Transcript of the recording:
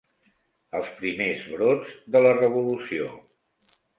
Els primers brots de la revolució.